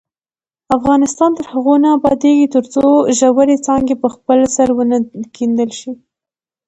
افغانستان تر هغو نه ابادیږي، ترڅو ژورې څاګانې په خپل سر ونه کیندل شي.